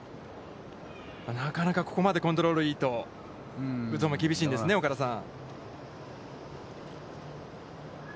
なかなかここまでコントロールがいいと打つほうも厳しいんですね、岡田さん。